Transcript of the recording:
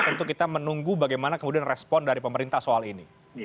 tentu kita menunggu bagaimana kemudian respon dari pemerintah soal ini